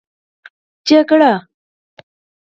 شخړه